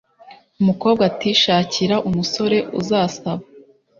Umukobwa ati shakira umusore uzasaba